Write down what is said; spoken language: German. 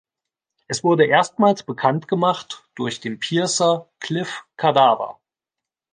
Es wurde erstmals bekannt gemacht durch den Piercer "Cliff Cadaver".